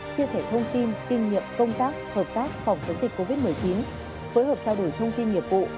chia sẻ thông tin kinh nghiệm công tác hợp tác phòng chống dịch covid một mươi chín phối hợp trao đổi thông tin nghiệp vụ